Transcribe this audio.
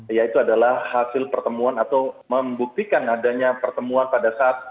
yaitu adalah hasil pertemuan atau membuktikan adanya pertemuan pada saat